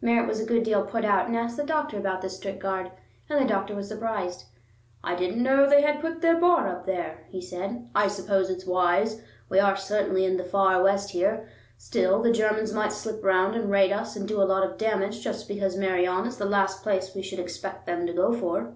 Merritt was a good deal put out, and asked the doctor about this strict guard. And the doctor was surprised. "I didn't know they had put their bar up there," he said. "I suppose it's wise. We are certainly in the far West here; still, the Germans might slip round and raid us and do a lot of damage just because Meirion is the last place we should expect them to go for."